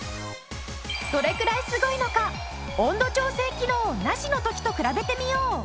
どれくらいすごいのか温度調整機能なしの時と比べてみよう！